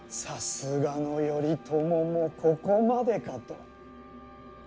さすがの頼朝もここまでかと。